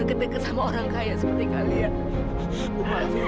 keluarga kamu sudah cukup merendahkan keluarga saya